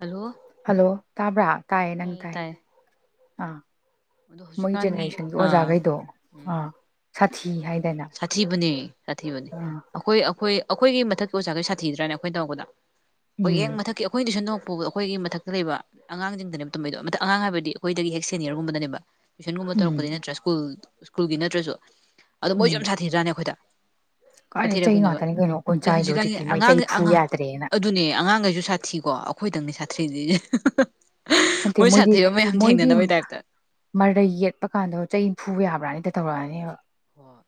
Hello hello ꯇꯥꯕ꯭ꯔꯥ ꯇꯥꯏꯌꯦ ꯅꯪ ꯇꯥꯏ ꯑꯥ ꯑꯗꯣ ꯃꯣꯏ ꯍꯧꯖꯤꯛꯀꯥꯟꯒꯤ ꯖꯦꯅꯦꯔꯦꯁꯟꯒꯤ ꯑ ꯑꯣꯖꯥꯈꯩꯗꯣ ꯎꯝ ꯑꯥ ꯁꯥꯊꯤ ꯍꯥꯏꯗꯅ ꯁꯥꯊꯤꯕꯅꯦ ꯁꯥꯊꯤꯕꯅꯦ ꯑꯥ ꯑꯩꯈꯣꯏ ꯑꯩꯈꯣꯏ ꯑꯩꯈꯣꯏꯒꯤ ꯃꯊꯛꯀꯤ ꯑꯣꯖꯥꯈꯩ ꯁꯥꯊꯤ꯭ꯔꯅ ꯑꯩꯈꯣꯏꯅ ꯇꯃꯛꯄꯗ ꯍꯣꯏ ꯌꯦꯡ ꯎꯝ ꯃꯊꯛꯀꯤ ꯑꯩꯈꯣꯏ ꯇꯨꯏ ꯁꯟ ꯄꯨ ꯑꯩꯈꯣꯏꯒꯤ ꯃꯊꯛꯇ ꯂꯩꯕ ꯑꯉꯥꯡꯁꯤꯡꯗꯅꯦꯕ ꯇꯨꯝꯝꯕꯩꯗꯣ ꯃꯊꯛ ꯑꯉꯥꯡ ꯍꯥꯏꯕꯗꯤ ꯑꯩꯈꯣꯏꯗꯒꯤ ꯍꯦꯛ ꯁꯦꯅꯤꯌꯔꯒꯨꯝꯕꯗꯅꯦꯕ ꯇꯨꯏꯟꯉꯨꯝꯕ ꯎꯝ ꯇꯧꯔꯛꯄ ꯅꯠꯇ꯭ꯔ ꯁ꯭ꯀꯨꯜ ꯁ꯭ꯀꯨꯜꯒꯤ ꯅꯠꯇ꯭ꯔꯁꯨ ꯑꯗꯣ ꯃꯣꯏꯁꯨ ꯎꯝ ꯌꯥꯝ ꯁꯥꯊꯤꯗ꯭ꯔꯥꯅꯦ ꯑꯩꯈꯣꯏꯗ ꯀꯥꯏꯗꯩ ꯆꯩ ꯁꯥꯊꯤꯔꯛꯄꯅꯦꯕ ꯉꯥꯛꯇꯅꯤ ꯀꯩꯅꯣ ꯑꯩꯈꯣꯏꯅ ꯑꯗ ꯆꯥꯏꯗꯣ ꯍꯧꯖꯤꯛꯀꯥꯟꯒꯤ ꯍꯧꯖꯤꯛꯇꯤ ꯃꯣꯏ ꯆꯩ ꯑꯉꯥꯡꯩ ꯐꯨ ꯑꯉ ꯌꯥꯗ꯭ꯔꯦꯅ ꯑꯗꯨꯅꯦ ꯑꯉꯥꯡꯈꯩꯁꯨ ꯁꯥꯊꯤꯀꯣ ꯑꯩꯈꯣꯏꯗꯪꯅꯦ ꯁꯥꯊꯤ ꯊꯤ ꯗꯤ ꯅꯥꯇꯦ ꯃꯣꯏꯗꯤ ꯃꯣꯏꯗꯤ ꯇꯥꯏꯞꯇ ꯃꯔꯩ ꯌꯦꯠꯄ ꯀꯥꯟꯗꯣ ꯆꯩ ꯅꯤꯐꯨ ꯌꯥꯕ꯭ꯔꯥꯅꯤꯗ ꯇꯧꯔꯛꯑꯅꯦꯕ ꯍꯣꯏ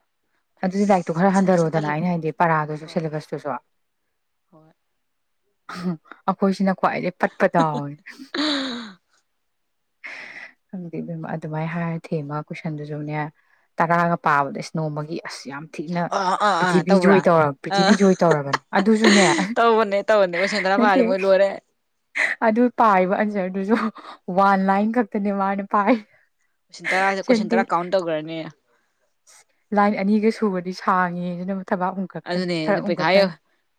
ꯑꯗꯨꯗꯤ ꯂꯥꯏꯔꯤꯛꯇꯣ ꯑꯁ ꯈꯔ ꯃꯆꯤꯟ ꯃꯆꯤꯟ ꯍꯟꯊꯔꯣꯗꯅ ꯀꯜꯂꯤꯕ ꯑꯩꯅ ꯍꯥꯏꯗꯤ ꯄꯔꯥꯗꯨꯁꯨ ꯍꯣꯏ ꯁꯦꯂꯦꯕꯁꯇꯨꯁꯨ ꯍꯣꯏ ꯑꯩꯈꯣꯏꯁꯤꯅ ꯀ꯭ꯋꯥꯏꯗꯩꯩ ꯄꯠꯄ ꯗꯥꯑꯣꯅꯤ ꯪꯈꯪꯗꯦ ꯏꯅꯦꯃꯥ ꯑꯗꯨꯃꯥꯏꯅ ꯍꯥꯏꯔ ꯊꯦꯃ ꯀꯣꯏꯏꯁꯟꯗꯨꯁꯨꯅꯦ ꯇꯔꯥꯒ ꯄꯥꯕꯗ ꯏꯁ ꯅꯣꯃꯒꯤ ꯑꯁ ꯌꯥꯝ ꯊꯤꯅ ꯑꯥ ꯑꯥ ꯑꯥ ꯄ꯭ꯔꯤꯊꯤꯕꯤ ꯇꯧꯕ꯭ꯔꯥ ꯖꯣꯏ ꯇꯧꯔꯕ ꯑꯥ ꯄ꯭ꯔꯤꯊꯤꯕꯤ ꯖꯣꯏ ꯇꯧꯔꯕꯅꯤ ꯑꯗꯨꯁꯨꯅꯦ ꯇꯧꯕꯅꯦ ꯇꯧꯕꯅꯦ ꯀꯣꯏꯁꯟ ꯇꯔꯥ ꯐꯥꯔꯗꯤ ꯅꯠꯇꯦ ꯃꯣꯏ ꯂꯣꯏꯔꯦ ꯑꯗꯨ ꯄꯥꯔꯤꯕ ꯑꯟꯖꯔ ꯑꯗꯨꯁꯨ ꯋꯥꯟ ꯂꯥꯏꯟ ꯈꯛꯇꯅꯦ ꯃꯥꯅ ꯄꯥꯏ ꯀꯣꯏꯁꯟ ꯇꯔꯥꯁꯦ ꯀꯣꯏꯁꯟ ꯁꯦꯟꯇꯦꯟ ꯇꯔꯥ ꯀꯥꯎꯟ ꯇꯧꯈ꯭ꯔꯅꯤ ꯁꯟꯒꯦꯁꯤꯅꯕꯨ ꯑꯗꯨꯅꯦ ꯑꯗꯨ ꯄꯩꯈꯥ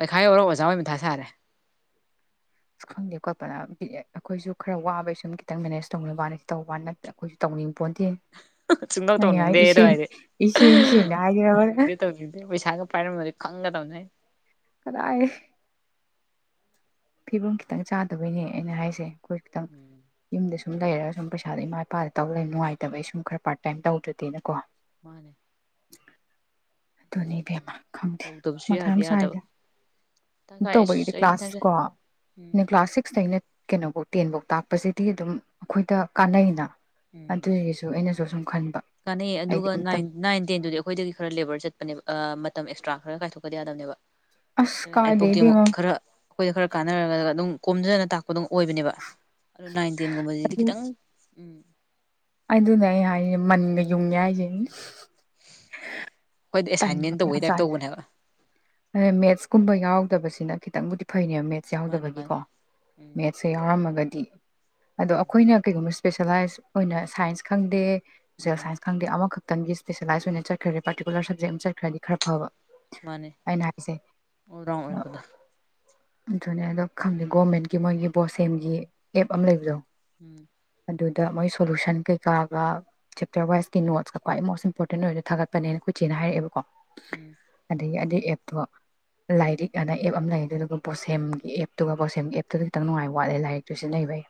ꯄꯩꯈꯥ ꯌꯧꯔꯒ ꯑꯣꯖꯥ ꯍꯣꯏ ꯃꯊꯥ ꯁꯥꯔꯦ ꯑ ꯈꯪꯗꯦ ꯈꯣꯠꯄꯅ ꯑꯩꯈꯣꯏꯁꯨ ꯈꯔ ꯋꯥꯕꯩ ꯁꯨꯝ ꯈꯤꯇꯪ ꯃꯦꯅꯦꯖ ꯇꯧꯅꯤꯡ ꯋꯥꯅꯤ ꯇꯧꯕ ꯑꯩꯈꯣꯏꯁꯨ ꯇꯧꯅꯤꯡ ꯄꯣꯟꯇꯦ ꯁꯨꯡꯇꯧ ꯃꯌꯥꯏ ꯇꯧꯅꯤꯡꯗꯦ ꯑꯗꯨ ꯏꯁꯦꯡ ꯍꯥꯏꯗꯤ ꯏꯁꯦꯡ ꯁꯦꯡꯅ ꯍꯥꯏꯈ꯭ꯔꯕ ꯇꯧꯅꯤꯡꯗꯦ ꯇꯧꯅꯤꯡꯗꯦ ꯄꯩꯁꯥꯒ ꯄꯥꯏꯔꯝꯕꯗꯤ ꯈꯪꯒꯗꯕꯅꯤ ꯀꯗꯥꯑ ꯐꯤꯕꯝ ꯈꯤꯇꯪ ꯆꯥꯗꯕꯩꯅꯦ ꯑꯩꯅ ꯍꯥꯏꯁꯦ ꯑꯣꯏꯣꯏꯇ ꯎꯝ ꯌ ꯁꯨꯝ ꯂꯩꯔꯒ ꯁꯨꯝ ꯄꯩꯁꯥꯗ ꯏꯥ ꯏꯄꯥꯗ ꯇꯧ ꯂꯩ ꯅꯨꯡꯉꯥꯏꯇꯕꯩ ꯁꯨꯝ ꯈꯔ ꯄꯥꯔꯠ ꯇꯥꯏꯝ ꯇꯧꯗꯦꯅꯀꯣ ꯃꯥꯅꯦ ꯑꯗꯨꯣ ꯅꯕꯦꯃ ꯈꯪꯗꯦ ꯇꯧꯗꯕꯁꯨ ꯃꯊꯪ ꯌꯥꯗꯤ ꯑꯃꯁ ꯌꯥꯗꯕ ꯍꯥꯏꯁꯦ ꯇꯪꯈꯥꯏ ꯇꯧꯕꯒꯤꯗꯤ ꯑꯩꯁ ꯑꯩꯁꯨ ꯀ꯭ꯂꯥꯁ ꯇꯥꯏꯝ ꯆꯠ ꯀꯣ ꯎꯝ ꯅ ꯀ꯭ꯂꯥꯁꯛꯁ ꯁꯤꯗ ꯑꯩꯅ ꯀꯩꯅꯣꯐꯧ ꯇꯦꯟꯐꯧ ꯇꯥꯛꯄꯁꯤꯗꯤ ꯑꯗꯨꯝ ꯑꯩꯈꯣꯏꯗ ꯀꯥꯟꯅꯩꯅ ꯑꯗꯨꯒꯤꯁꯨ ꯑꯩꯅꯁꯨ ꯆꯁꯪ ꯀꯥꯟꯅꯩꯌꯦ ꯑꯗꯨꯒ ꯅꯥꯏꯟ ꯇꯦꯟꯗꯨꯗꯤ ꯑꯩꯈꯣꯏꯗꯒꯤ ꯈꯔ ꯂꯦꯕꯔ ꯆꯠꯄꯅꯦꯕ ꯃꯇꯝ ꯑꯦꯁ꯭ꯔꯥ ꯈꯔꯒ ꯀꯥꯏꯊꯣꯛꯀꯗꯅꯦꯕ ꯑꯁ ꯀꯥꯏꯗꯦꯗꯤꯃ ꯑꯩꯈꯣꯏꯗ ꯈꯔ ꯀꯥꯟꯅꯔꯒ ꯑꯗꯨꯝ ꯀꯣꯝꯖꯅ ꯇꯥꯛꯄ ꯈꯨꯗ ꯑꯣꯏꯕꯅꯦꯕ ꯑꯗꯨ ꯅꯥꯏꯟ ꯇꯦꯟꯒꯨꯝꯕꯁꯤꯗꯤ ꯈꯤꯇꯪ ꯎꯝ ꯑꯗꯨꯅꯦ ꯑꯩ ꯍꯥꯏ ꯃꯟꯒ ꯌꯨꯡꯉꯦ ꯍꯥꯏꯁꯦꯅꯦ ꯑꯩꯈꯣꯏꯗ ꯇꯟꯕ ꯑꯦꯁꯥꯏꯟꯃꯦꯟ ꯇꯧꯕꯩ ꯆ ꯇꯥꯏꯞ ꯇꯧꯕꯅꯦꯕ ꯑ ꯃꯦꯠꯁꯀꯨꯝꯕ ꯌꯥꯎꯔꯗꯕꯁꯦ ꯈꯤꯇꯪꯕꯨꯗꯤ ꯐꯩꯅꯦ ꯃꯦꯠꯁ ꯃꯥꯅꯦ ꯃꯥꯅꯦ ꯌꯥꯎꯗꯕꯒꯤꯀꯣ ꯎꯝ ꯃꯦꯠꯁꯁꯦ ꯌꯥꯎꯔꯝꯃꯒꯗꯤ ꯑꯗꯣ ꯑꯩꯈꯣꯏꯅ ꯀꯩꯒꯨꯝꯕ ꯏꯁꯄꯦꯁꯦꯂꯥꯏꯁ ꯑꯣꯏꯅ ꯁꯥꯏꯟꯁ ꯈꯪꯗꯦ ꯁꯣꯁꯦꯜ ꯎꯝ ꯁꯥꯏꯟꯁ ꯈꯪꯗꯦ ꯑꯃꯈꯛ ꯪꯒꯤ ꯏꯁꯄꯦꯁꯦꯂꯥꯏꯖ ꯑꯣꯏꯅ ꯆꯠꯈ꯭ꯔꯦ ꯄꯥꯔꯤꯀꯂꯔ ꯁꯕꯖꯦꯛ ꯑꯃ ꯆꯠꯈ꯭ꯔꯗꯤ ꯈꯔ ꯐꯕ ꯃꯥꯅꯤ ꯑꯩꯅ ꯍꯥꯏꯁꯦ ꯑꯣꯔꯣꯡ ꯑꯣꯏꯕꯗ ꯑꯗꯨꯅꯦ ꯑꯗꯣ ꯈꯪꯗꯦ ꯒꯣꯔꯃꯦꯟꯒꯤ ꯃꯣꯏꯒꯤ ꯕꯣꯁꯦꯝꯒꯤ ꯑꯦꯞ ꯑꯃ ꯂꯩꯕꯗꯣ ꯎꯝ ꯑꯗꯨꯗ ꯃꯣꯏ ꯁꯣꯂꯨꯁꯟ ꯀꯩꯀꯥꯒ ꯆꯦꯞꯇꯔ ꯋꯥꯏꯁꯀꯤ ꯅꯣꯠꯁꯀ ꯈ꯭ꯋꯥꯏ ꯃꯣꯁ ꯏꯝꯄꯣꯔꯇꯦꯟ ꯑꯣꯏꯅ ꯊꯥꯒꯠꯄꯅꯦꯅ ꯀꯣꯏꯆꯦ ꯍꯥꯏꯔꯑꯦꯕꯀꯣ ꯎꯝ ꯑꯗꯒꯤ ꯑꯗꯩ ꯑꯗꯣ ꯂꯥꯏꯔꯤꯛ ꯑꯅ ꯑꯦꯞ ꯑꯃ ꯂꯩꯌꯦ ꯑꯗꯨꯗꯨꯒ ꯕꯣꯁꯦꯝꯒꯤ ꯑꯦꯞꯇꯨꯒ ꯕꯣꯁꯦꯝꯒꯤ ꯑꯦꯞꯇꯨꯗ ꯈꯤꯇꯪ ꯅꯨꯡꯉꯥꯏꯕ ꯋꯥꯠꯂꯦ ꯂꯥꯏꯔꯤꯛꯇꯨ ꯁꯤꯟꯅꯩꯕꯩ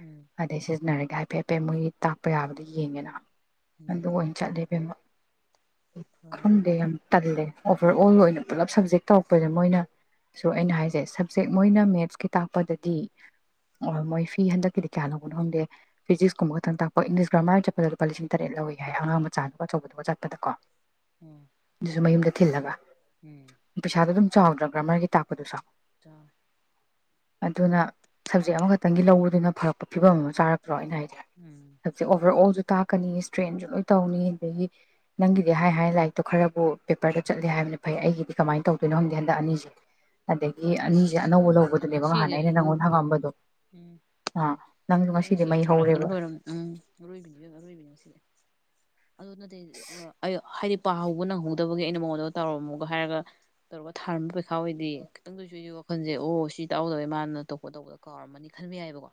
ꯎꯝ ꯑꯗꯩ ꯁꯤꯖꯤꯟꯅꯔꯤ ꯀꯥꯏ ꯍꯐꯦꯠ ꯐꯦꯠ ꯃꯣꯏ ꯏꯝ ꯀꯥꯌꯝꯗꯤ ꯌꯦꯡꯉꯦꯅ ꯎꯝ ꯑꯗꯨ ꯑꯣꯏꯅ ꯆꯠꯂꯦ [unintelligible] ꯍꯣꯏ ꯈꯪꯗꯦ ꯌꯥꯝ ꯇꯜꯂꯦ ꯑꯣꯚꯔ ꯑꯣꯜ ꯑꯣꯏꯅ ꯄꯨꯜꯂꯞ ꯁꯞꯖꯦꯛ ꯇꯧꯔꯛꯄꯁꯦ ꯃꯣꯏꯅ ꯁꯨ ꯑꯩꯅ ꯍꯥꯏꯖꯩ ꯁꯕꯖꯦꯛ ꯃꯣꯏꯅ ꯃꯦꯠꯁꯀꯤ ꯇꯥꯛꯄꯗꯗꯤ ꯃꯣꯏ ꯐꯤ ꯍꯟꯗꯛꯀꯤꯗꯤ ꯀꯌꯥ ꯂꯧꯕꯅꯣ ꯈꯪꯗꯦ ꯐꯤꯖꯤꯛꯁꯀꯨꯝꯕ ꯈꯛꯇꯪ ꯇꯥꯛꯄ ꯏꯪꯂꯤꯁ ꯒ꯭ꯔꯥꯃꯔ ꯆꯠꯄꯗ ꯂꯨꯄꯥ ꯂꯤꯁꯤꯡ ꯇꯔꯦꯠ ꯂꯧꯋꯦ ꯍꯥꯏ ꯑꯉꯥꯡ ꯃꯆꯥꯗꯨꯒ ꯑꯆꯧꯕꯗꯨꯒ ꯆꯠꯄꯗ ꯀꯣ ꯎꯝ ꯑꯗꯨꯁꯨ ꯃꯌꯨꯝꯗ ꯊꯤꯜꯂꯒ ꯎꯝ ꯄꯩꯁꯥꯗꫭ ꯑꯗꯨꯝ ꯆꯥꯎꯗ꯭ꯔꯕ ꯒ꯭ꯔꯃꯒꯤ ꯇꯥꯛꯄꯗꯁꯨ ꯆꯥꯎꯋꯦ ꯑꯗꯨꯅ ꯁꯕꯖꯦꯛ ꯑꯃꯈꯛꯇꯪꯒꯤ ꯂꯧꯕꯗꯨꯅ ꯐꯔꯛꯄ ꯐꯤꯕꯝ ꯑꯃ ꯆꯥꯔꯛꯄ ꯅꯠꯇ꯭ꯔꯣ ꯑꯩꯅ ꯍꯥꯏꯖꯦ ꯎꯝ ꯁꯕꯖꯦꯛ ꯑꯣꯕꯔ ꯑꯣꯜꯁꯨ ꯇꯥꯛꯀꯅꯤ ꯏꯁꯇ꯭ꯔꯦꯟꯁꯨ ꯂꯣꯏ ꯇꯧꯅꯤ ꯑꯗꯒꯤ ꯅꯪꯒꯤꯗꯤ ꯍꯥꯏ ꯍꯥꯏ ꯂꯥꯏꯔꯤꯛꯇꯣ ꯈꯔꯕꯨ ꯄꯦꯄꯔꯗ ꯆꯠꯂꯦ ꯍꯥꯏꯕꯅꯤ ꯐꯩ ꯑꯩꯒꯤꯗꯤ ꯀꯃꯥꯏꯅ ꯇꯧꯗꯣꯏꯅꯣ ꯈꯪꯗꯦ ꯍꯟꯗꯛ ꯑꯅꯤꯁꯦ ꯑꯗꯒꯤ ꯑꯅꯤꯁꯦ ꯑꯁ ꯑꯅꯧꯕ ꯈꯪꯗꯦ ꯂꯧꯕꯗꯨꯅꯦꯕ ꯉꯁꯤꯗꯤ ꯉꯥꯏꯍꯥꯟ ꯑꯩ ꯑꯩꯅ ꯈꯪꯗꯦ ꯅꯪꯉꯣꯟꯗ ꯍꯪꯉꯛ ꯎꯝ ꯑꯝꯕꯗꯣ ꯎꯝ ꯑꯥ ꯅꯪꯁꯨ ꯑꯩ ꯉꯁꯤꯗꯤ ꯉꯁꯤ ꯌꯝ ꯃꯩ ꯍꯧꯔꯦꯕ ꯁꯧꯅꯤꯡꯕꯅ ꯂꫭꯏꯔꯝꯅꯤ ꯎꯝ ꯑꯔꫭꯏꯕꯤꯅꯤ ꯏꯕꯦꯝꯄꯥ ꯑꯔꫭꯏꯕꯤꯅꯤ ꯉꯁꯤꯗꯤ ꯑꯗꫭ ꯅꯠꯇꯦ ꯑ ꯍꯥꯏꯗꯤ ꯄꯥꯍꯧꯕ ꯅꯪꯍꯧꯗꯕꯒꯤ ꯑꯩꯅ ꯃꯉꯣꯟꯗ ꯇꯥꯎꯔꯝꯃꯣꯒ ꯍꯥꯏꯔꯒ ꯇꯧꯔꯒ ꯊꯥꯔꯝꯕ ꯄꯩꯈꯥ ꯑꯣꯏꯗꯤ ꯈꯤꯇꯪꯗꯣꯏꯁꯨ ꯋꯥꯈꯜꯁꯦ ꯑꯣ ꯁꯤ ꯇꯥꯛꯍꯧꯗꯕꯦ ꯃꯥꯅ ꯑꯇꯣꯞꯄ ꯇꯧꯕꯗ ꯀꯥꯎꯔꯝꯃꯅꯤ ꯈꯟꯕ ꯌꯥꯏꯕꯀꯣ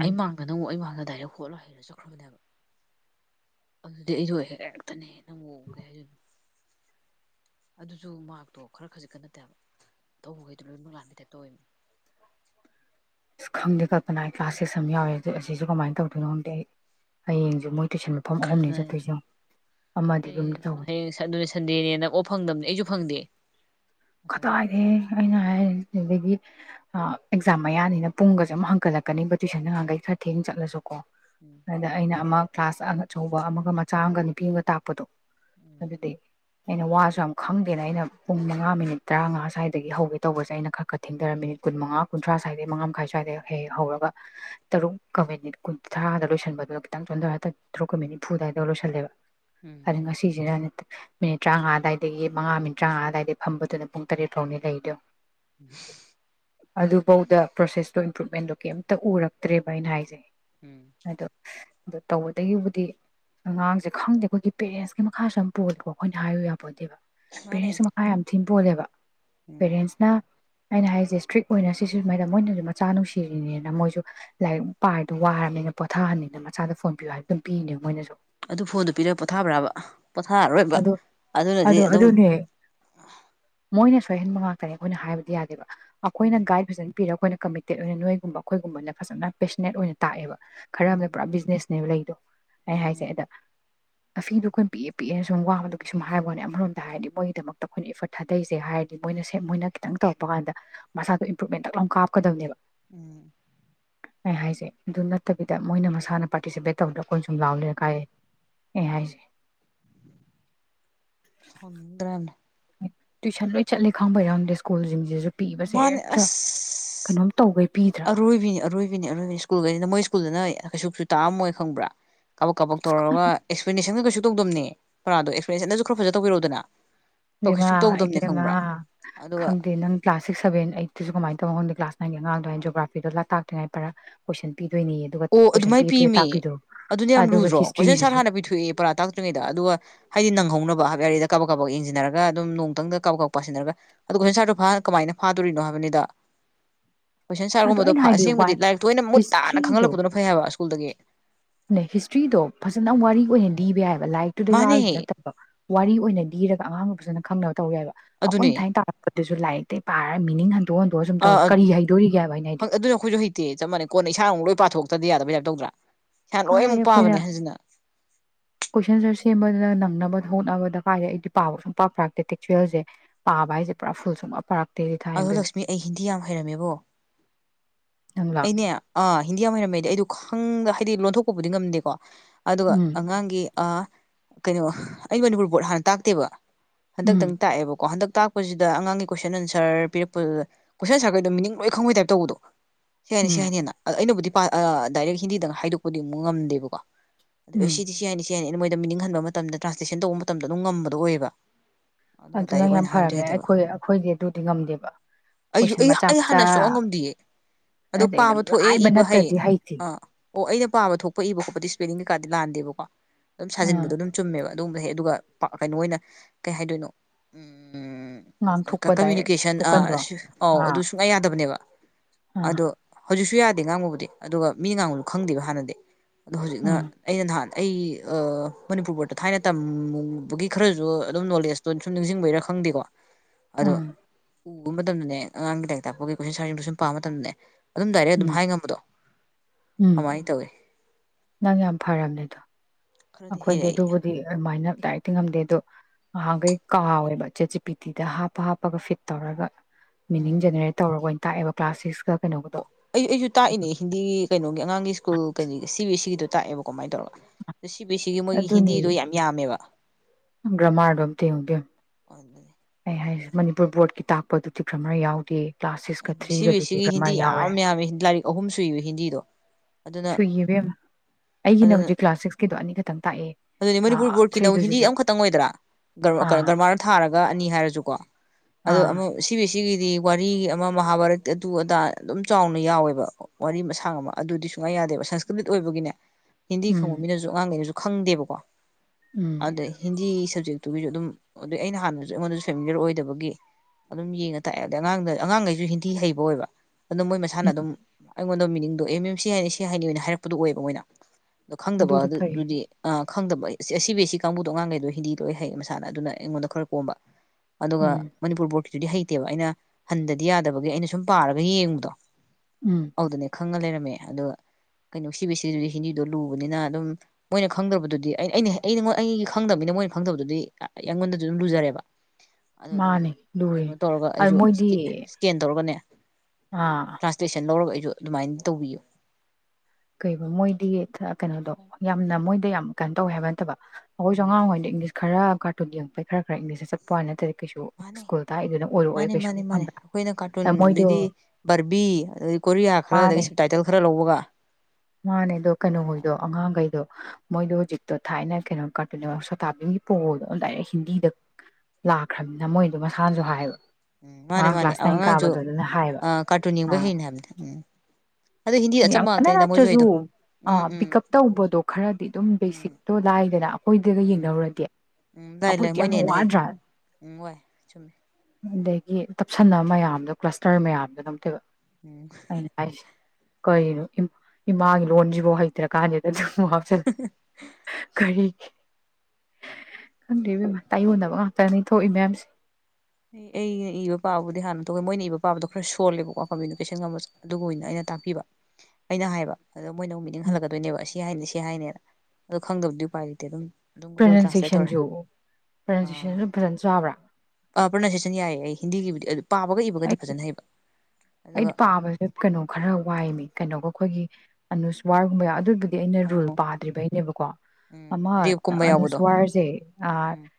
ꯑꯩ ꯃꯥꯡꯗ ꯅꯪꯕꯨ ꯑꯩ ꯃꯥꯡꯗ ꯗꯥꯏꯔꯦꯛ ꯍꯣꯠꯂꯣ ꯍꯩꯔ ꯆꯠꯈ꯭ꯔꯕꯅꯦꯕ ꯑꯗꯨꯗꯤ ꯑꯩꯗꯣ ꯍꯦꯛꯇꯅꯦ ꯅꯪꯕꯣ ꯀꯩ ꯍꯥꯏꯗꫭꯏꯅꫭ ꯑꯗꯨꯁꯨ ꯃꯥꯥꯛꯇꯣ ꯈꯔ ꯈꯖꯤꯛꯀ ꯅꯠꯇꯦꯕ ꯇꯧꯕꯒꯩꯗꯣ ꯂꯣꯏꯅꯃꯛ ꯂꯥꯟꯕꯩ ꯇꯞ ꯇꯧꯋꯦꯕ ꯑꯁ ꯈꯪꯗꯦ ꯀꯜꯄꯅ ꯑꯩ ꯀ꯭ꯂꯥꯁ ꯁꯤꯛꯁ ꯑꯃ ꯌꯥꯎꯋꯦ ꯑꯁꯤꯁꯨ ꯀꯃꯥꯏꯅ ꯇꯧꯗꯣꯏꯅꫭ ꯗꯪꯗꯦꯑꯩ [unintelligible] ꯌꯦꯡꯉꯣ ꯑꯃꯗꯤ ꯑꯩ ꯌꯨꯝꯗ ꯇꯧꯕꯅꯤ ꯍꯌꯦꯡ ꯑꯗꯨ ꯁꯟꯗꯦꯅꯦꯅ ꯑꯣꯐ ꯐꯪꯗꯕꯅꯦ ꯑꯩꯁꯨ ꯐꯪꯗꯦ ꯃꯊꯥ ꯁꯥꯏ ꯀꯗꯥꯏꯗꯦ ꯑꯩꯅ ꯍꯥꯏ ꯑꯗꯨꯗꯒꯤ ꯑꯦꯛꯖꯥꯝ ꯃꯌꯥꯅꯤꯅ ꯄꯨꯡꯒꯁꯨ ꯑꯃꯝ ꯍꯪꯀꯠꯂꯛꯀꯅꯤꯕ ꯇꯨꯏꯁꯟ ꯅꯍꯟꯒꯩ ꯈꯔ ꯊꯦꯡ ꯆꯠꯂꯁꯨ ꯎꯝ ꯑꯗ ꯑꯩꯅ ꯑꯃ ꯀ꯭ꯂꯥꯁ ꯑꯆꯧꯕ ꯑꯃꯒ ꯃꯆꯥ ꯑꯃꯒ ꯅꯨꯄꯤ ꯑꯃꯒ ꯇꯥꯛꯄꯗꯣ ꯎꯝ ꯑꯗꯨꯗꯤ ꯑꯩꯅ ꯋꯥꯁꯨ ꯌꯥꯝ ꯈꯪꯗꯦꯅ ꯑꯩꯅ ꯄꯨꯡ ꯃꯉꯥ ꯃꯤꯅꯤꯠ ꯇꯔꯥꯃꯉꯥ ꯁ꯭ꯋꯥꯏꯗꯒꯤ ꯍꯧꯒꯦ ꯇꯧꯕꯖꯦ ꯑꯩꯅ ꯈꯔ ꯈ ꯊꯦꯡꯗꯔ ꯃꯤꯅꯤꯠ ꯀꯨꯟꯃꯉꯥ ꯀꯨꯟꯊ꯭ꯔꯥ ꯁ꯭ꯋꯥꯏꯗꯒꯤ ꯃꯉꯥ ꯃꯈꯥꯏ ꯁ꯭ꯋꯥꯏꯗꯩ ꯍꯦꯛ ꯍꯦꯛ ꯍꯧꯔꯒ ꯇꯔꯨꯛꯀ ꯃꯤꯅꯤꯠ ꯀꯨꯟꯊꯔꯥꯗ ꯂꯣꯏꯁꯤꯟꯕꯗꯨꯅ ꯈꯤꯇꯪ ꯆꯣꯟꯊꯔ ꯇꯔꯨꯛꯀ ꯃꯤꯅꯤꯠ ꯅꯤꯐꯨ ꯑꯗꯨꯋꯥꯏꯗ ꯂꯣꯏꯁꯤꯜꯂꯦꯕ ꯎꯝ ꯑꯗꯣ ꯉꯥꯁꯤꯖꯤꯅꯅꯦ ꯃꯤꯅꯤꯠ ꯇꯔꯥꯃꯉꯥ ꯑꯗꯥꯏꯗꯒꯤ ꯃꯉꯥ ꯃꯤꯅꯤꯠ ꯇꯔꯥꯉꯥ ꯑꯗꯨꯋꯥꯏꯗꯒꯤ ꯐꯝꯕꯗꯨꯅ ꯄꯨꯡ ꯇꯔꯦꯠ ꯐꯥꯎꯅꯦ ꯂꯩꯗꯣ ꯌꯦꯡꯉꫭ ꯑꯗꯨꯐꯧꯗ ꯄ꯭ꯔꯣꯁꯦꯁꯇꯣ ꯏꯝꯄ꯭ꯔꯨꯚꯃꯦꯟꯗꯣ ꯀꯩꯝꯇ ꯎꯔꯛꯇ꯭ꯔꯦꯕ ꯑꯩꯅ ꯍꯥꯏꯖꯩ ꯎꯝ ꯍꯥꯏꯗꯣ ꯑꯗꯣ ꯇꯧꯕꯗꯒꯤꯕꯨꯗꯤ ꯑꯉꯥꯡꯁꯦ ꯈꯪꯗꯦ ꯑꯩꯈꯣꯏꯒꯤ ꯄꯦꯔꯦꯟꯁꯀꯤ ꯃꯈꯥꯁꯨ ꯌꯥꯝ ꯄꯣꯜꯂꯤꯀꯣ ꯑꯩꯈꯣꯏꯅ ꯍꯥꯏꯌꯨ ꯌꯥꯄꫭꯟꯇꯦꯕ ꯃꯥꯅꯦ ꯄꯦꯔꯦꯁ ꯃꯈꯥ ꯌꯥꯝ ꯊꯤꯅ ꯄꯣꯜꯂꯦꯕ ꯎꯝ ꯄꯦꯔꯦꯟꯁꯅ ꯑꯩꯅ ꯍꯥꯏꯁꯦ ꯏꯁꯇ꯭ꯔꯤꯛ ꯑꯣꯏꯅ ꯁꯤꯁꯨ ꯁꯨꯃꯥꯏꯅ ꯃꯣꯏꯅꯁꯨ ꯃꯆꯥ ꯅꯨꯡꯁꯤꯔꯤꯅꯤꯅ ꯃꯣꯏꯁꯨ ꯂꯥꯏꯔꯤꯛ ꯄꯥꯏꯗꯨꯣ ꯋꯥꯔꯕꯅꯤꯅ ꯄꯣꯊꯥꯍꯟꯅꯤꯅ ꯃꯆꯥꯗ ꯐꯣꯟ ꯄꯤꯌꯨ ꯍꯥꯏꯕ ꯑꯗꯨꯝ ꯄꯤꯔꯤꯅꯦ ꯃꯣꯏꯅꯁꯨ ꯑꯗꯨ ꯐꯣꯟꯗꯨ ꯄꯤꯔꯒ ꯄꯣꯊꯥꯕ꯭ꯔꯥꯕ ꯄꯣꯊꯥꯔꯔꯣꯏꯕ ꯑꯗꯣ ꯑꯗꯨꯅꯗꯤ ꯑꯗꯣ ꯑꯗꯨꯝ ꯑꯗꯨꯅꯦ ꯃꯣꯏꯅ ꯁꯣꯏꯍꯟꯕ ꯉꯥꯛꯇꯅꯦ ꯑꯩꯈꯣꯏꯅ ꯍꯥꯏꯕꯗꯤ ꯌꯥꯗꯦꯕ ꯑꯩꯈꯣꯏ ꯎꯝ ꯅꯒꯥꯏ ꯐꯖ ꯄꯤꯔꯒ ꯑꯩꯈꯅ ꯀꯃꯤꯇꯦꯠ ꯑꯣꯏꯅ ꯅꯣꯏꯒꯨꯝꯕ ꯑꯩꯈꯣꯏꯒꯨꯝꯕꯅ ꯐꯖꯅ ꯄꯦꯁꯅꯦꯠ ꯑꯣꯏꯅ ꯇꯥꯛꯑꯦꯕ ꯈꯔ ꯑꯃꯅ ꯎꯝ ꯄꯨꯔꯥ ꯕꯤꯖꯤꯅꯦꯁ ꯂꯦꯕ ꯂꯩꯗꯣ ꯑꯩ ꯃꯥꯅꯦ ꯍꯥꯏꯁꯦ ꯑꯗ ꯑꯐꯤꯗꯨ ꯑꯩꯈꯣꯏ ꯄꯤꯑꯦ ꯄꯤꯑꯦꯅ ꯁꯨꯝ ꯋꯥꯕꯗꯨꯒꯤ ꯁꯨꯝ ꯍꯥꯏꯕꯣꯅꯦ ꯑꯃꯔꯣꯝ ꯍꯥꯏꯔꯗꯤ ꯃꯣꯏꯒꯤꯗꯃꯛꯇ ꯑꯩꯈꯣꯏꯅ ꯑꯦꯐꯔꯠ ꯊꯥꯗ ꯑꯇꯩꯁꯦ ꯍꯥꯏꯔꯗꯤ ꯃꯣꯏꯅ ꯁꯦ ꯃꯣꯏ ꯈꯤꯇꯪ ꯇꯧꯔꯛꯄ ꯀꯥꯟꯗ ꯃꯁꯥꯗꯣ ꯏꯝꯄ꯭ꯔꯨꯞꯕꯃꯦꯟꯇꯛ ꯀꯥꯞꯀꯗꯕꯅꯦꯕ ꯎꯝ ꯑꯩ ꯍꯥꯏꯁꯩ ꯑꯗꯨ ꯅꯠꯇꯕꯤꯗ ꯃꯣꯏꯅ ꯃꯁꯥꯅ ꯄꯥꯔꯇꯤꯁꯤꯄꯦꯠ ꯇꯧꯕꯗ ꯑꯩꯈꯣꯏꯅ ꯁꯨꯝ ꯂꯥꯎꯂꯦ ꯀꯥꯏꯗꯩꯩ ꯑꯩ ꯍꯥꯏꯁꯤ ꯁꯥꯑꯣꯅꯤꯪꯗꯔꯥ ꯇꯨꯏꯁꯟ ꯂꯣꯏ ꯆꯠꯂꯦ ꯈꯪꯕ ꯌꯥꯎꯝꯗꯦ ꯁ꯭ꯀꯨꯜꯁꯤꯡꯁꯤꯁꯨ ꯄꯤꯕꯁꯦ ꯃꯥꯅꯦ ꯍꯦꯛꯇ ꯑꯁ ꯀꯩꯅꯣꯝ ꯇꯧꯍꯩ ꯑꯔꯣꯏꯕꯤꯅꯤ ꯑꯔꯣꯏꯕꯤꯅꯤ ꯑꯔꯣꯏꯕꯤꯅꯤ ꯁ꯭ꯀꯨꯜꯒꯩꯅ ꯃꯣꯏ ꯁ꯭ꯀꯨꯜꯗ ꯅꯣꯏ ꯀꯩꯁꯨꯛꯁꯨ ꯇꯥꯑꯝꯃꯣꯏ ꯈꯪꯕ꯭ꯔꯥ ꯀꯕꯛ ꯀꯥꯕ ꯑꯁ ꯀꯃꯥꯏ ꯇꯧꯔꯒ ꯑꯦꯁꯄ꯭ꯂꯦꯅꯦꯁꯟ ꯩꯁꯨ ꯇꯧꯗꯗꯝꯅꯦ ꯄꯔꯥꯗꯣ ꯑꯦꯛꯁꯄꯤꯔꯦꯟꯁ ꯑꯗꯁꯨ ꯈꯔ ꯐꯖ ꯇꯧꯕꯤꯔꯛꯎꯗꯅ ꯀꯩꯁꯨ ꯏꯕꯦꯝꯃꯥ ꯇꯧꯗꯝꯅꯦ ꯏꯕꯦꯝꯃ ꯈꯪꯕ꯭ꯔꯥ ꯑꯗꯨꯒ ꯈꯪꯗꯦ ꯅꯪ ꯀ꯭ꯂꯥꯁ ꯁꯤꯛꯁ ꯁꯚꯦꯟ ꯑꯩꯠꯇꯁꯨ ꯀꯃꯥꯏꯅ ꯇꯧꯕꯅꯣ ꯈꯪꯗꯦ ꯀ꯭ꯂꯥꯁ ꯅꯥꯏꯟꯒꯤꯉꯥꯡꯗꯣꯅ ꯖꯣꯒ꯭ꯔꯐꯤꯗ ꯂꯥꯛ꯭ꯔꯤꯉꯩꯔ ꯀꯣꯏꯁꯟ ꯄꯤ ꯑꯣ ꯑꯗꯨꯃꯥꯏꯅ ꯄꯤꯃꯤ ꯑꯗꯨꯅ ꯌꯥꯝ ꯑꯗꯨꯒ ꯂꯨꯗ꯭ꯔꯣ ꯀꯣꯏꯁꯟ ꯁꯥꯔ ꯍꯤꯁꯇ꯭ꯔꯤꯁꯤꯁꯨ ꯍꯥꯟꯅ ꯄꯤꯊꯣꯛꯑꯦ ꯄꯔꯥ ꯇꯥꯛꯇ꯭ꯔꯤꯉꯩꯗ ꯑꯗꯨꯒ ꯍꯥꯏꯗꯤ ꯅꯪꯍꯧꯅꯕ ꯍꯥꯏꯌꯥꯔꯤꯗ ꯀꯕꯛ ꯀꯕꯛ ꯌꯦꯡꯁꯤꯟꯅꯔꯒ ꯑꯗꯨꯝ ꯅꯣꯡꯇꯪꯗ ꯀꯕꯛ ꯀꯛ ꯄꯥꯁꯤꯟꯅꯔꯒ ꯑꯣ ꯑꯩꯣꯏꯟ ꯁꯥꯔꯗꯣ ꯀꯃꯥꯏꯅ ꯐꯥꯗꯣꯔꯤꯅꯣ ꯍꯥꯏꯕꯅꯤꯗ ꯀꯣꯏꯁꯟ ꯑꯗꯣ ꯁꯥꯔꯒꯨꯝꯕꯗ ꯑꯩꯅ ꯍꯥꯏꯗꯤ ꯋꯥ ꯑꯁꯦꯡꯕꯗꯤ ꯂꯥꯏꯔꯤꯛ ꯇꯣꯏꯅ ꯃꯨꯠ ꯇꯥꯅ ꯈꯪꯂꯛꯄꯗꯨꯅ ꯐꯩ ꯍꯥꯏꯕ ꯁ꯭ꯀꯨꯜꯗꯒꯤ ꯑꯗꯨꯅ ꯍꯤꯁꯇ꯭ꯔꯤꯗꯣ ꯐꯖꯅ ꯎꯝ ꯋꯥꯔꯤ ꯑꯣꯏꯅ ꯂꯤꯕ ꯌꯥꯏꯑꯕ ꯂꯥꯏꯔꯤꯛꯇꯨꯗ ꯌꯥꯎꯔꯤꯗꯨ ꯃꯥꯅꯦ ꯅꯠꯇꯕ ꯋꯥꯔꯤ ꯑꯣꯏꯅ ꯂꯤꯔꯒ ꯑꯉꯥꯡ ꯐꯖꯅ ꯈꯪꯅꯕ ꯇꯧꯋꯦꯕ ꯑꯩꯈꯣꯏꯅ ꯑꯗꯨꯅꯦ ꯊꯥꯏꯅ ꯇꯧꯔꯛꯄꯗꯁꯨ ꯂꯥꯏꯔꯤꯛ ꯇꯩ ꯄꯥꯔ ꯃꯤꯅꯤꯡ ꯍꯟꯗꯣꯛ ꯍꯟꯗꯣꯛꯑ ꯁꯨꯝ ꯇꯧꯔꯦ ꯑ ꯀꯔꯤ ꯍꯥꯏꯩꯗꯣꯔꯤꯒꯦ ꯍꯥꯏꯕ ꯑꯩꯅ ꯍꯥꯏꯗꯤ ꯑꯗꯨꯅ ꯇꯗꯤ ꯌꯥꯁꯕꯩ ꯇꯥꯏꯄ ꯇꯧꯗ꯭ꯔꯥ ꯍꯥꯟ ꯀꯥꯏ ꯂꯣꯏꯃꯨꯛ ꯑꯩꯈꯣꯏꯅ ꯄꯥꯕꯅꯦ ꯍꯧꯖꯤꯅ ꯀꯣꯏꯁꯟ ꯑꯟꯁꯔ ꯁꯦꯝꯕꯗꯨꯅ ꯅꯪꯅꯕ ꯍꯣꯠꯅꯕꯗ ꯀꯥꯏꯗ ꯑꯩꯗꯤ ꯄꯥꯕ ꯁꯨꯝ ꯄꯥ ꯄꯥꯔꯛꯇꯦ ꯇꯦꯛꯆꯨꯋꯦꯜꯁꯦ ꯄꯥꯕ ꯍꯥꯏꯁꯦ ꯄꯨꯔꯥ ꯐꯨꯜ ꯁꯨꯡꯄꯥ ꯄꯥꯔꯛ ꯑꯗꯣ ꯂꯛꯁꯃꯤ ꯑꯩ ꯍꯤꯟꯗꯤ ꯌꯥꯝ ꯍꯩꯔꯝꯃꯦꯕꯣ꯫ ꯅꯪꯂꯥ ꯏꯩꯅꯦ ꯑꯥ ꯍꯤꯟꯗꯤ ꯌꯥꯝ ꯍꯩꯔꯝꯃꯦꯗꯤ ꯑꯩꯗꯣ ꯈꯪꯗ ꯍꯥꯏꯗꯤ ꯂꯣꯟꯊꯣꯛꯄꯕꯨꯗꯤ ꯉꯝꯗꯦꯀꯣ꯫ ꯑꯗꯨꯒ ꯎꯝ ꯑꯉꯥꯡꯒꯤ ꯑ ꯀꯩꯅꯣ ꯑꯩ ꯃꯅꯤꯄꯨꯔ ꯕꯣꯠ ꯍꯥꯟꯅ ꯇꯥꯛꯇꯦꯕ꯫ ꯎꯝ ꯍꯟꯗꯛꯇꯪ ꯇꯥꯛꯑꯦꯕꯀꯣ ꯍꯟꯗꯛ ꯇꯥꯛꯄꯁꯤꯗ ꯑꯉꯥꯡꯒꯤ ꯀꯣꯏꯁꯟ ꯑꯟꯁꯔ ꯄꯤꯔꯛꯄꯗꯨꯗ ꯀꯣꯏꯁꯟ ꯑꯟꯁꯔꯩꯗꯣ ꯃꯤꯅꯤꯡ ꯂꯣꯏ ꯈꯪꯉꯩ ꯇꯥꯏꯞ ꯇꯧꯕꯗꯣ꯫ ꯁꯦꯅꯤ ꯎꯝ ꯁꯦꯅꯤꯅ ꯑ ꯑꯩꯅꯕꯨꯗꯤ ꯄꯥ ꯑ ꯗꯥꯏꯔꯦꯛ ꯍꯤꯟꯗꯤꯗꯪ ꯍꯥꯏꯗꯣꯛꯄꯗꯤ ꯑꯃꯨꯛ ꯉꯝꯗꯦꯕꯀꯣ꯫ ꯑ ꯎꯝ ꯁꯤꯗꯤ ꯁꯤ ꯍꯥꯏꯅꯤ ꯅꯦꯅ ꯃꯣꯏꯗ ꯃꯤꯅꯤꯡ ꯍꯟꯕ ꯃꯇꯝꯗ ꯇ꯭ꯔꯥꯟꯁꯂꯦꯛꯁꯟ ꯇꯧꯕ ꯃꯇꯝꯗꯣ ꯑꯗꯨꯝ ꯉꯝꯕꯗꯣ ꯑꯣꯏꯌꯦꯕ꯫ ꯑꯗꯨꯒ ꯑꯗꯨ ꯗꯥꯏꯔꯦꯛ ꯅꯪ ꯌꯥꯝ ꯑꯣꯏꯅ ꯍꯥꯏꯕꯗꯤ ꯐꯔꯝꯃꯦ ꯍꯩꯇꯕ ꯑꯩꯈꯣꯏ ꯑꯩꯈꯣꯏꯗꯤ ꯑꯗꯨꯗꯤ ꯉꯝꯗꯦꯕ꯫ ꯑꯩꯁꯨ ꯀꯣꯏꯁꯟ ꯑꯩ ꯑꯩ ꯃꯆꯥ-ꯃꯆꯥ ꯍꯥꯟꯅ ꯁꯨꯡꯉꯝ ꯉꯝꯗꯤꯌꯦ ꯑꯗꯣ ꯑꯗꯩ ꯅ ꯌꯥꯝ ꯄꯥꯕ ꯊꯣꯛꯑꯦ ꯂꯥꯏꯕ ꯏꯕ ꯍꯩ ꯅꯠꯇ꯭ꯔꯗꯤ ꯍꯩꯇꯦ꯫ ꯑꯥ ꯑꯣ ꯑꯩꯅ ꯄꯥꯝꯕ ꯊꯣꯛꯄ ꯏꯕ ꯈꯣꯠꯄꯗꯤ ꯏꯁ꯭ꯄꯦꯂꯤꯡ ꯀꯩꯀꯥꯗꯤ ꯂꯥꯟꯗꯦꯕꯀꯣ꯫ ꯑꯗꯨꯝ ꯁꯥꯖꯤꯟꯕꯗꯣ ꯑꯗꯨꯝ ꯆꯨꯝꯃꯦꯕ꯫ ꯑꯗꯨꯒꯨꯝꯕ ꯍꯦꯛ ꯑꯗꯨꯒ ꯀꯩꯅꯣ ꯑꯣꯏꯅ ꯀꯩ ꯍꯥꯏꯗꯣꯏꯅꯣ ꯎꯝ ꯝꯝ ꯀ ꯉꯥꯡꯊꯣꯛꯄ ꯗꯥꯏꯔꯦꯛ ꯀꯃ꯭ꯨꯅꯤꯀꯦꯁꯟ ꯏꯁꯄꯣꯀꯟꯗꯣ ꯑ ꯁ ꯑꯥꯎ ꯑꯥ ꯑꯗꯨ ꯁꯨꯡꯌꯥ ꯌꯥꯗꯕꯅꯦꯕ꯫ ꯑꯥ ꯑꯗꯣ ꯍꯧꯖꯤꯛꯁꯨ ꯌꯥ ꯗꯤ ꯉꯥꯡꯕꯕꯨꯗꯤ ꯑꯗꯨꯒ ꯃꯤ ꯉꯥꯡꯕꯨꯅ ꯈꯪꯗꯦꯕ ꯍꯥꯟꯅꯗꯤ꯫ ꯑꯣ ꯍꯧꯖꯤꯛꯅ ꯎꯝ ꯑꯩꯅ ꯅꯍꯥꯟ ꯑꯩ ꯃꯅꯤꯄꯨꯔ ꯕꯣꯔꯠꯇ ꯊꯥꯏꯅ ꯇꯝꯝꯕꯒꯤ ꯈꯔꯁꯨ ꯑꯗꯨꯝ ꯅꯣꯂꯦꯖꯇꯣ ꯁꯨꯝ ꯅꯤꯡꯁꯤꯡꯕꯩꯔꯥ ꯈꯪꯗꯦꯀꯣ꯫ ꯑꯗꯣ ꯎꯝ ꯎꯕ ꯃꯇꯝꯗꯅꯦ ꯑꯉꯥꯡꯒꯤ ꯂꯥꯏꯛ ꯇꯥꯛꯄꯒꯤ ꯀꯣꯏꯁꯟ ꯑꯟꯁꯥꯔꯗ ꯁꯨꯝ ꯄꯥꯕ ꯃꯇꯝꯗꯅꯦ ꯑꯗꯨꯝ ꯗꯥꯏꯔꯦꯛ ꯑꯗꯨꯝ ꯎꯝ ꯍꯥꯏ ꯉꯝꯕꯗꯣ ꯎꯝ ꯑꯃꯥꯏꯅ ꯇꯧꯋꯤ꯫ ꯅꯪ ꯌꯥꯝ ꯐꯔꯝꯅꯦꯗꯣ꯫ ꯈꯔꯗꯤ ꯑꯩꯈꯣꯏꯗꯤ ꯍꯩꯔꯛꯏ ꯑꯗꯨꯕꯨꯗꯤ ꯑꯗꯨꯃꯥꯏꯅ ꯗꯥꯏꯔꯦꯛꯇꯤ ꯉꯝꯗꯦ ꯑꯗꯣ ꯉꯍꯥꯟꯈꯩ ꯀꯥꯎꯋꯦꯕ ꯆꯦꯠꯆꯤꯄꯤꯇꯤꯗ ꯍꯥꯞꯄ ꯍꯥꯞꯄꯒ ꯐꯤꯠ ꯇꯧꯔꯒ ꯃꯤꯅꯤꯡ ꯖꯦꯅꯦꯔꯦꯠ ꯇꯧꯔꯒ ꯑꯣꯏꯅ ꯇꯥꯛꯑꯦꯕ ꯀ꯭ꯂꯥꯁ ꯁꯤꯛꯁꯀ ꯀꯩꯅꯣꯒꯗꯣ ꯑꯣ ꯑꯩ ꯑꯩꯁꯨ ꯇꯥꯛꯏꯅꯤ ꯍꯤꯟꯗꯤꯒꯤ ꯀꯩꯅꯣꯒꯤ ꯑꯉꯥꯡꯒꯤ ꯀ ꯀꯅꯤ ꯉ ꯁꯤ ꯁꯤ ꯑꯗꯨꯣꯏ ꯇꯥꯛꯑꯦꯕ ꯀꯃꯥꯏꯅ ꯑꯗꯣ ꯁꯤ ꯕꯤ ꯁꯤꯒꯤ ꯃꯣꯏꯒꯤ ꯑꯗꯨꯅꯦ ꯍꯤꯟꯗꯤꯗꯣ ꯌꯥꯝ ꯌꯥꯝꯃꯦꯕ ꯒ꯭ꯔꯃꯥꯔꯗꯣ ꯑꯝꯇ ꯌ‌ꯦꯡꯉ‌ꯣ ꯏꯕ‌ꯦꯝ ꯍꯥꯏꯁꯦ ꯃꯅꯤꯄꯨꯔ ꯕꯣꯔꯗꯀꯤ ꯇꯥꯛꯄ ꯑꯗꯨꯗꯤ ꯒ꯭ꯔꯃꯥ꯭ꯔ ꯌꯥꯎꯗꯦ ꯀ꯭ꯂꯥꯁ ꯁꯤꯛꯁꯀ ꯁꯤ ꯊ꯭ꯔꯤꯒꯗꯨꯗꯤ ꯕꯤꯁꯤꯒꯤ ꯍꯤꯟꯗꯤ ꯒ꯭ꯔꯃꯥꯔ ꯌꯥꯎꯔꯦ ꯌꯥꯝ ꯌꯥꯝꯃꯦ ꯂꯥꯏꯔꯤꯛ ꯑꯍꯨꯝ ꯁꯨꯏꯕ ꯍꯤꯟꯗꯤꯗꯣ ꯑꯗꯨꯅ ꯁꯨꯏ ꯑꯗꯨꯅ ꯀꯤꯗꯣ ꯑꯅꯤꯈꯛꯇꯪ ꯇꯥꯛꯑꯦ ꯑꯗꯨꯅꯦ ꯃꯅꯤꯄꯨꯔ ꯑ ꯕꯣꯔꯠꯀꯤ ꯅ ꯍꯤꯟꯗꯤ ꯊ꯭ꯔꯤꯗꯨꯁꯤꯁꯨ ꯑꯃꯈꯛꯇꯪ ꯆꯪꯉꯣꯏꯗ꯭ꯔꯥ ꯑꯥ ꯒ꯭ꯔꯝꯃꯥꯔꯗ ꯊꯥꯔꯒ ꯑꯅꯤ ꯍꯥꯏꯔꯁꯨꯀꯣ ꯑꯗꯨ ꯑꯥ ꯑꯃ ꯁꯤꯕꯤ ꯁꯤꯒꯤꯗꯤ ꯋꯥꯔꯤ ꯑꯃ ꯃꯍꯥꯚꯥꯔꯠꯇꯤ ꯑꯗꯨ ꯑꯗꯥ ꯑꯗꯨꯝ ꯆꯥꯎꯅ ꯌꯥꯎꯋꯦꯕ ꯋꯥꯔꯤ ꯃꯁꯥꯡ ꯑꯃ ꯑꯗꯨꯗꯤ ꯁꯨꯡꯌꯥꯥꯏ ꯌꯥꯗꯦꯕ ꯁꯪꯁꯀ꯭ꯔꯤꯠ ꯑꯣꯏꯕꯒꯤꯅꯦ ꯍꯤꯟꯗꯤ ꯎꯝ ꯈꯪꯕ ꯃꯤꯅꯁꯨ ꯑꯉꯥꯡ ꯂꯩꯁꯨ ꯈꯪꯗꯦꯕꯣ ꯋꯥ ꯎꯝ ꯑꯗꯩ ꯍꯤꯟꯗꯤ ꯁꯕꯖꯦꯛꯇꯨꯒꯤꯁꯨ ꯑꯗꯨꯝ ꯑꯗꯩ ꯑꯩꯅ ꯍꯥꯟꯅꯁꯨ ꯑꯩꯉꯣꯟꯗꯁꯨ ꯐꯦꯃꯤꯂꯤꯔ ꯑꯣꯏꯗꯕꯒꯤ ꯑꯗꯨꯝ ꯌꯦꯡꯉ ꯇꯥꯛꯑ ꯑꯗꯩ ꯑꯉꯥꯡꯗ ꯑꯉꯥꯡꯈꯩꯁꯨ ꯍꯤꯟꯗꯤ ꯍꯩꯕ ꯑꯣꯏꯕ ꯑꯗꯨꯝ ꯃꯣꯏ ꯃꯁꯥꯅ ꯎꯝ ꯑꯗꯨꯝ ꯑꯩꯉꯣꯟꯗ ꯃꯤꯅꯤꯡꯗꯣ ꯑꯦꯝ ꯑꯦꯝ ꯁꯤ ꯍꯥꯏꯅꯤ ꯁꯤ ꯍꯥꯏꯅꯤ ꯑꯣꯏꯅ ꯍꯥꯏꯔꯛꯄꯗꯨ ꯑꯣꯏꯌꯦꯕ ꯃꯣꯏꯅ ꯑꯣ ꯈꯪꯗꯕ ꯑꯗꯨꯗꯣ ꯐꯩ ꯑꯗꯨꯗꯨꯗꯤ ꯑ ꯈꯪꯗꯕ ꯑꯁꯤ ꯕꯤ ꯁꯤ ꯀꯥꯡꯕꯨꯗꯣ ꯑꯉꯥꯡꯈꯩꯗꯣ ꯍꯤꯟꯗꯤ ꯂꯣꯏ ꯍꯩ ꯃꯁꯥꯅ ꯑꯗꯨꯅ ꯑꯩꯉꯣꯟꯗ ꯈꯔ ꯀꯣꯝꯕ ꯑꯗꯨꯒ ꯎꯝ ꯃꯅꯤꯄꯨꯔ ꯕꯣꯠꯀꯤ ꯑꯗꯨꯨꯗꯤ ꯍꯩꯇꯦꯕ ꯑꯩꯅ ꯍꯟꯗꯗꯤ ꯌꯥꯗꯕꯒꯤ ꯑꯩꯅ ꯁꯨꯝ ꯄꯥꯔꯒ ꯌꯦꯡꯕꯗꯣ ꯎꯝ ꯑꯗꯨꯗꯅꯦ ꯈꯪꯉ ꯂꯩꯔꯝꯃꯦ ꯑꯗꯣ ꯀꯩꯅꯣ ꯁꯤꯕꯤ ꯁꯤꯗꯨꯗꯤ ꯍꯤꯟꯗꯤꯗꯣ ꯂꯨꯕꯅꯤꯅ ꯑꯗꯨꯝ ꯃꯣꯏꯅ ꯈꯪꯗꯕꯗꯨ ꯑꯗꯨꯗꯤꯅ ꯑꯩꯅ ꯑꯩꯅ ꯑꯩꯒꯤ ꯈꯪꯗꯕꯅꯤꯅ ꯃꯣꯏꯅ ꯈꯪꯗꯕꯗꯨꯗꯤ ꯑꯩꯉꯣꯟꯗꯗꯤ ꯑꯗꯨꯝ ꯂꯨꯖꯔꯦꯕ ꯑꯗꯣ ꯑꯗꯨꯝ ꯃꯥꯅꯦ ꯂꯨꯔꯦ ꯀꯩꯅꯣ ꯇꯧꯔꯒ ꯑꯗ ꯑꯩꯁꯨ ꯃꯣꯏꯗꯤ ꯏꯁꯀꯦꯟ ꯇꯧꯔꯒꯅꯦ ꯑꯥ ꯇ꯭ꯔꯥꯟꯁꯂꯦꯁꯟ ꯂꯧꯔ ꯑꯗꯨꯃꯥꯏꯅ ꯇꯧꯕꯤꯌꯨ ꯀꯩ ꯑꯕ ꯃꯣꯏꯗꯤ ꯀꯩꯅꯣꯗꯣ ꯌꯥꯝꯅ ꯃꯣꯏꯗ ꯌꯥꯝ ꯀꯩꯅꯣ ꯇꯧꯋꯦ ꯍꯥꯏꯕ ꯅꯠꯇꯕ ꯈꯣꯏꯁꯨ ꯎꯝ ꯑꯉꯥꯡ ꯑ‌ꯣꯏꯔꯤꯉꯩꯗ ꯏꯪꯂꯤꯁ ꯈꯔ ꯀꯥꯔꯇꯨꯟ ꯌꯦꯡꯛꯩ ꯈꯔ ꯈꯔ ꯏꯪꯂꯤꯁꯇ ꯆꯠꯄ ꯋꯥꯅ ꯅꯠꯇ꯭ꯔꯦ ꯃꯥꯅꯤ ꯃꯥꯅꯤ ꯃꯥꯅꯤ ꯃꯥꯅꯤ ꯈꯪꯕ꯭ꯔꯥ ꯑꯩꯈꯣꯏꯅ ꯀꯥꯔꯇꯨꯟ ꯃꯣꯏꯗꯣ ꯑꯗꯩꯗꯤ ꯕꯥ꯭ꯔꯕꯤ ꯑꯗꯩ ꯀꯣꯔꯤꯌꯥ ꯈꯔ ꯑꯗꯒꯤ ꯁꯞꯇꯥꯏꯇꯜ ꯈꯔ ꯂꯧꯕꯒ ꯃꯥꯅꯦꯗꯣ ꯈꯔ ꯀꯩꯅꯣꯍꯣꯏꯗꯣ ꯌꯥꯕ ꯑꯉꯥꯡꯈꯩꯗꯣ ꯃꯣꯏꯗꯣ ꯍꯧꯖꯤꯛꯇꯣ ꯊꯥꯏꯅ ꯀꯩꯅꯣ ꯀꯥꯔꯇꯨ ꯁꯣꯇꯥꯗꯤꯝꯒꯤ ꯄꯣꯣꯗꯣ ꯗꯥꯏꯔꯦꯛ ꯍꯤꯟꯗꯤꯗ ꯂꯥꯛꯈ꯭ꯔꯅꯤꯅ ꯃꯣꯏꯅ ꯎꯝ ꯎꯝ ꯃꯥꯅꯦ ꯃꯥꯅꯦ ꯅꯥꯏꯟ ꯑꯉꯥꯡꯁꯨ ꯀꯥꯕꯗꯣ ꯑꯗꯨꯅ ꯍꯥꯏꯕ ꯀꯥꯔꯇꯨꯟ ꯌꯦꯡꯕ ꯑꯥ ꯍꯩꯅꯩꯅ ꯍꯥꯏꯕꯅꯦ ꯎꯝ ꯑꯗꯨ ꯍꯤꯟꯗꯤ ꯑꯆꯝꯕ ꯉꯥꯛꯇꯅꯤ ꯆꯖꯨ ꯄꯤꯛ ꯎꯞ ꯇꯧꯕꯗꯣ ꯈꯔꯗꯤ ꯑꯗꯨꯝ ꯎꯝ ꯕꯦꯁꯤꯛꯇꯣ ꯂꯥꯏꯗꯅ ꯑꯩꯈꯣꯏꯗꯒ ꯎꯝ ꯌꯦꯡꯅꯔꯨꯔꯗꯤꯦ ꯎꯝ ꯂꯩ ꯂꯩ ꯑꯩꯈꯣꯏꯗꯤ ꯃꯣꯏꯅ ꯌꯥꯝꯅ ꯍꯦꯟꯅ ꯍꯩ ꯋꯥꯗ꯭ꯔꯥ ꯎꯝ ꯋꯥꯏ ꯆꯨꯝꯃꯦ ꯑꯗꯒꯤ ꯇꯞꯁꯕ ꯃꯌꯥꯝꯗꯣ ꯀ꯭ꯂꯁꯇꯔ ꯃꯌꯥꯝꯗꯣ ꯑꯗꯨꯝꯇꯦꯕ ꯎꯝ ꯀꯩꯅꯣ ꯏꯃꯥꯒꯤ ꯂꯣꯟꯁꯤꯕꯨ ꯍꯩꯇ꯭ꯔꯥ ꯀꯥꯟꯗ ꯑꯗꯨ ꯍꯥꯞꯆꯜꯂꯦ ꯀꯔꯤ ꯈꯪꯗ꯭ꯦꯕꯦꯝꯃ ꯇꯥꯏꯌꯣꯟꯅꯕ ꯉꯥꯛꯇꯅꯤ ꯊꯣꯛꯏ ꯃꯌꯥꯝꯁꯦ ꯑꯦ ꯑꯩꯅ ꯏꯕ ꯄꯥꯕꯕꯨꯗꯤ ꯍꯥꯟꯅ ꯇꯧꯋꯦ ꯃꯣꯏꯅ ꯏꯕ ꯄꯥꯕꯗꯣ ꯈꯔ ꯁꯣꯜꯂꯦꯕꯀ ꯀꯝꯃꯨꯅꯤꯀꯦꯁꯟꯒ ꯑꯗꯨꯒ ꯑꯣꯏꯅ ꯑꯩꯅ ꯇꯥꯛꯄꯤꯕ ꯑꯩꯅ ꯍꯥꯏꯕ ꯑꯗꯣꯣꯏꯅ ꯃꯤꯡ ꯍꯜꯂꯛꯗꯣꯏꯅꯦꯕ ꯁꯤ ꯁꯤ ꯍꯥꯏꯅꯤ ꯁꯤ ꯍꯥꯏꯅꯦꯅ ꯑꯣ ꯈꯪꯗꯕꯗꯤ ꯎꯄꯥꯏ ꯂꯩꯇꯦ ꯑꯗꯨꯝ ꯑꯗꯨꯝ ꯒꯨꯒꯜ ꯇ꯭ꯔꯥꯟꯁꯂꯦꯠ ꯇꯧꯔꯦ ꯄ꯭ꯔꯅꯎꯟꯁꯤꯌꯦꯁꯟꯁꯨ ꯄ꯭ꯔꯅꯎꯟꯁꯤꯌꯦꯁꯟꯁꯨ ꯐꯖꯅ ꯆꯥꯕ꯭ꯔꯥ ꯄ꯭ꯔꯣꯅꯥꯟꯁꯤꯦꯁꯟ ꯌꯥꯌꯦ ꯑꯩ ꯍꯤꯟꯗꯤꯒꯤꯕꯨꯗꯤ ꯑꯗꯨ ꯄꯥꯕꯒ ꯑꯩ ꯏꯕꯒꯗꯤ ꯐꯖꯅ ꯍꯩꯕ ꯑꯗꯨꯒ ꯑꯩꯗꯤ ꯄꯥꯕꯁꯦ ꯀꯩꯅꯣ ꯈꯔ ꯋꯥꯏꯅꯤ ꯀꯩꯅꯣꯒ ꯑꯩꯈꯣꯏꯒꯤ ꯑꯅꯨꯁ ꯋꯥꯔꯒꯨꯝꯕ ꯌꯥ ꯑꯗꯨ ꯑꯩꯅ ꯔꯨꯜ ꯑꯣ ꯄꯥꯗ꯭ꯔꯤꯕꯩꯅꯦꯕꯀꯣ ꯎꯝ ꯑꯃ ꯔꯦꯞꯀꯨꯝꯕ ꯌꯥꯎꯕꯗꯣ ꯑꯅꯨꯁꯋꯥꯔꯁꯦ ꯎꯝ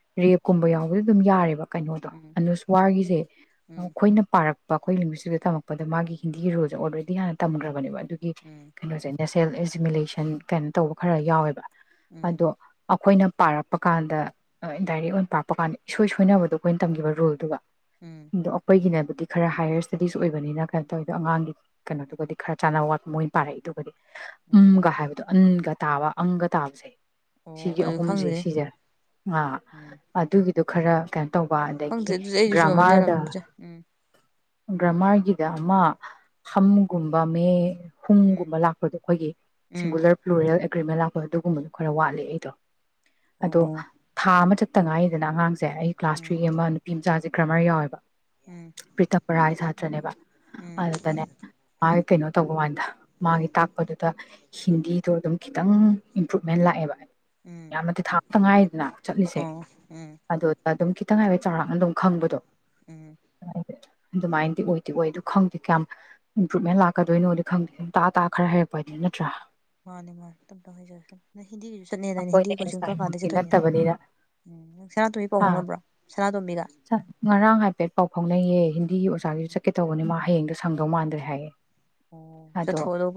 ꯀꯨꯝꯕ ꯌꯥꯎꯕꯗꯤ ꯑꯗꯨꯝ ꯌꯥꯔꯦꯕ ꯀꯩꯅꯣꯗꯣ ꯎꯝ ꯑꯅꯨꯁꯋꯥꯔꯒꯤꯁꯦ ꯎꯝ ꯑꯩꯈꯣꯏꯅ ꯄꯥꯔꯛ ꯄꯈꯣꯏꯂꯤꯤꯡꯡꯁꯤꯒ ꯇꯥꯃꯣ ꯗ ꯃꯥꯒꯤ ꯍꯤꯟꯗꯤꯒꯤ ꯔꯨꯜꯁꯦ ꯑꯣꯜꯔꯦꯗꯤ ꯍꯥꯟꯅ ꯇꯝꯈ꯭ꯔꯕꯅꯦꯕꯅ ꯑꯗꯨꯒꯤ ꯎꯝ ꯀꯩꯅꯣ ꯆ ꯁꯦꯜ ꯑꯦꯁꯤꯃꯤꯨꯂꯦꯁꯟ ꯀꯩꯅꯅꯣ ꯇꯧꯕ ꯈꯔ ꯌꯥꯎꯋꯦꯕ ꯎꯝ ꯑꯗꯣ ꯑꯩꯈꯣꯏꯅ ꯄꯥꯔꯛꯄ ꯀꯥꯟꯗ ꯗꯥꯏꯔꯦꯛ ꯑꯣꯏꯅ ꯄꯥꯔꯛꯄ ꯀꯥꯟꯗ ꯏꯁꯣꯏ ꯁꯣꯏꯅꯕꯗꯣ ꯑꯩꯈꯣꯏꯅ ꯇꯝꯈꯤꯕ ꯔꯨꯜꯗꯨꯒ ꯎꯝ ꯑꯣꯄꯣꯏꯒꯤꯅꯦ ꯍꯥꯏꯕ ꯈꯔ ꯍꯥꯏꯌꯔ ꯁ꯭ꯇꯗꯤꯁ ꯑꯣꯏ ꯑꯣꯏꯕꯅꯤꯅ ꯀꯩꯅꯣ ꯇꯧꯋꯤꯗꯣ ꯑꯉꯥꯡꯒꯤ ꯀꯩꯅꯣꯗꯨꯒꯗꯤ ꯈꯔ ꯆꯥꯟꯅꯕ ꯋꯥꯠꯄ ꯃꯣꯏꯅ ꯄꯥꯔꯛꯏꯗꯨꯒꯗꯤ ꯎꯝ ꯎꯒ ꯍꯥꯏꯗ ꯑꯒ ꯇꯥꯕ ꯑꯪꯒ ꯇꯥꯕꯁꯦ ꯑꯣ ꯁꯤꯒꯤ ꯑꯗꯨ ꯑꯍꯨꯝꯁꯦ ꯈꯪꯗꯦ ꯁꯤꯁꯦ ꯑꯥ ꯎꯝ ꯑꯗꯨꯒꯤ ꯑꯗꯨ ꯈꯔ ꯀꯩꯅ ꯇꯧꯕ ꯈꯪꯗꯦ ꯑꯗꯒꯤ ꯑꯗꯨꯗꯤ ꯑꯩꯁꯨ ꯆꯨꯝꯃꯝꯕꯁꯨ ꯒ꯭ꯔꯥꯃꯥꯔꯗ ꯌꯥꯔꯝꯗ꯭ꯔꯦ ꯎꯝ ꯔ꯭ꯔꯃꯥꯏ ꯒꯤꯗ ꯑꯃ ꯈꯝꯒꯨꯝꯕ ꯃ ꯎꯝ ꯐꯨꯡꯒꯨꯝꯕ ꯂꯥꯛꯄꯗꯣ ꯑꯩꯈꯣꯏꯒꯤ ꯎꯝ ꯁꯤꯡꯒꯨꯂꯔ ꯐ꯭ꯂꯦꯜ ꯑꯦꯒ꯭ꯔꯤꯃꯦꯟ ꯂꯥꯛꯄꯗꯣ ꯑꯗꯨꯒꯨꯝꯕꯗꯣ ꯈꯔ ꯋꯥꯠꯂꯦ ꯑꯩꯗꯣ ꯑꯗꯣ ꯑꯣ ꯊꯥ ꯑꯃ ꯆꯠ ꯇꯉꯥꯏꯗꯅ ꯁꯦ ꯑꯩ ꯀ꯭ꯂꯥꯁ ꯎꯝ ꯊ꯭ꯔꯤ ꯑꯃ ꯅꯨꯄꯤ ꯃꯆꯥꯁꯦ ꯀ꯭ꯔꯃꯥꯏ ꯌꯥꯎꯏꯕ ꯎꯝ ꯄꯔꯤꯇꯥꯄ ꯔ ꯍꯥꯏ ꯊꯗꯦ ꯟꯕ ꯎꯝ ꯀꯩꯅꯣ ꯇꯧꯕ ꯀꯥꯟꯗ ꯃꯥꯒꯤ ꯇꯥꯛꯄꯗꯨꯗ ꯍꯤꯟꯗꯤꯗꯣ ꯑꯗꯨꯝ ꯈꯤꯇꯪ ꯏꯝꯄ꯭ꯔꯨꯞꯃꯦꯟ ꯂꯥꯛꯑꯦꯕ ꯎꯝ ꯌꯥꯝꯃꯗꯤ ꯊꯥ ꯇꯪꯉꯥꯏꯗꯅ ꯆꯠꯂꯤꯁꯦ ꯑꯣ ꯎꯝ ꯑꯗꯨ ꯑꯗꯨꯝ ꯇꯪꯉꯥꯏꯕꯏ ꯆꯥꯎꯔꯥꯛꯅ ꯑꯗꯨꯝ ꯈꯪꯕꯗꯣ ꯎꯝ ꯑꯗꯨꯃꯥꯏꯅꯗꯤ ꯑꯣꯏ ꯑꯣꯏꯗ ꯈꯪꯗꯦ ꯀꯌꯥꯝ ꯏꯝꯄ꯭ꯔꯨꯚꯃꯦꯟ ꯂꯥꯛꯀꯗꯣꯏꯅꯣꯗꯤ ꯈꯪꯗꯦ ꯑꯗꯨ ꯇꯥ ꯇꯥ ꯈꯔ ꯍꯥꯏꯩꯔꯛꯄ ꯍꯥꯏꯗꯤ ꯅꯠꯇ꯭ꯔꯥ ꯃꯥꯅꯦ ꯃꯥꯅꯦ ꯅꯪ ꯍꯤꯟꯗꯤꯒꯤꯁꯨ ꯆꯠꯅꯗꯅ ꯑꯩꯈꯣꯏꯅ ꯍꯤꯟꯗꯤꯒꯤ ꯀꯆꯤꯡ ꯀꯔꯝ ꯀꯥꯟꯗ ꯑꯦꯟꯁꯥꯏꯃꯛꯇꯤ ꯆꯠꯇꯣꯏꯅꯦ ꯅꯠꯇꯕꯅꯤꯅ ꯎꯝ ꯅꯪ ꯁꯅꯥꯇꯣꯝꯕꯤ ꯄꯥꯎ ꯍꯥ ꯍꯣꯡꯅꯕ꯭ꯔꯣ ꯁꯅꯥꯇꯣꯝꯕꯤꯒ ꯉꯔꯥꯡ ꯍꯥꯏꯐꯦꯠ ꯎꯝ ꯇꯧꯕꯅꯤ ꯃꯥ ꯍꯌꯦꯡꯣ ꯁꯪꯗꯧ ꯃꯥꯟꯗ꯭ꯔꯦ ꯍꯥꯏꯌꯦ ꯆ ꯑꯗꯣ ꯊꯣꯗꯣꯣ